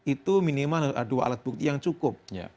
itu minimal dua alat bukti yang cukup